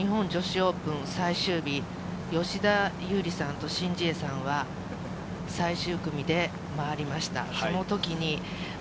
昨年の日本女子オープン最終日、吉田優利さんとシン・ジエさんは、最終組で回りました。